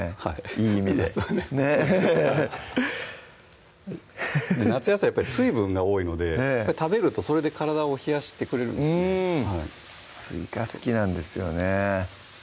いい意味で夏はねねっハハハッ夏野菜水分が多いので食べるとそれで体を冷やしてくれるんですすいか好きなんですよね